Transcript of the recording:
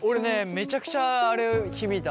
めちゃくちゃあれ響いたの。